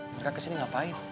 mereka kesini ngapain